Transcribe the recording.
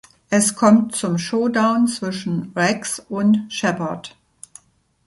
Es kommt zum Showdown zwischen Rex und Shepard.